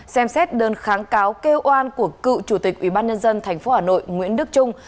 xem xét đơn kháng cáo kêu oan của cựu chủ tịch ủy ban nhân dân tp hà nội nguyễn đức trung